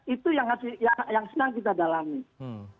itu yang sedang kita dalami